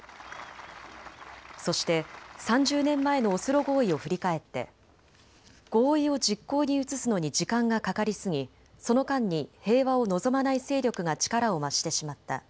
そして３０年前のオスロ合意を振り返って合意を実行に移すのに時間がかかりすぎ、その間に平和を望まない勢力が力を増してしまった。